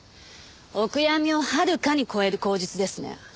お悔やみをはるかに超える口実ですね。